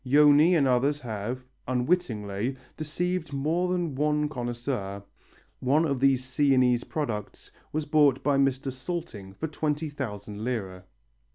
Joni and others have, unwittingly, deceived more than one connoisseur. One of these Sienese products was bought by Mr. Salting for twenty thousand lire.